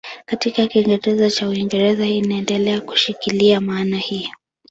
Katika Kiingereza cha Uingereza inaendelea kushikilia maana hii.